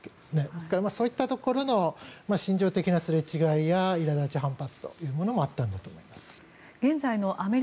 ですからそういったところの心情的なすれ違いやいら立ち、反発というものもあったんだと思います。